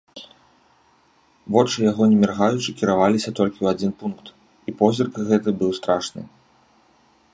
Вочы яго не міргаючы кіраваліся толькі ў адзін пункт, і позірк гэты быў страшны.